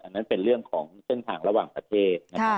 อันนั้นเป็นเรื่องของเส้นทางระหว่างประเทศ